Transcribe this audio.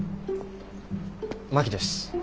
真木です。